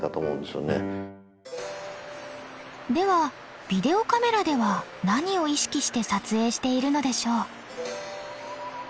ではビデオカメラでは何を意識して撮影しているのでしょう？